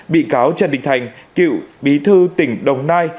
bị cáo trần đình thành cựu bí thư tỉnh đồng nai